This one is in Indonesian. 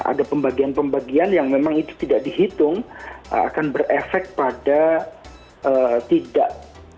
ada pembagian pembagian yang memang itu tidak dihitung akan berefek pada tidak